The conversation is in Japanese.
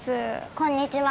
こんにちは。